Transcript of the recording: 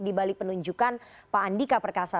di balik penunjukan pak andika perkasa